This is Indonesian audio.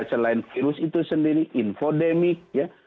selain virus itu sendiri infodemik ya